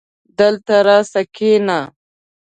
دلته راسه کينه